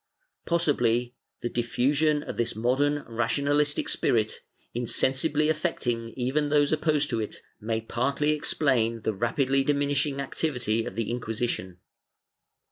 Possibly the diffusion of this modern rationalistic spirit, insen sibly affecting even those opposed to it, may partly explain the rapidly diminishing activity of the Inquisition.